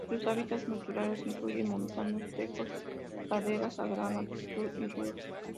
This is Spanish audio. Sus hábitats naturales incluyen montanos secos, praderas a gran altitud y ríos.